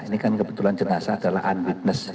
ini kan kebetulan jenazah adalah unwitness